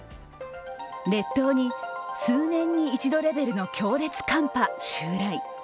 列島に数年に一度レベルの強烈寒波襲来。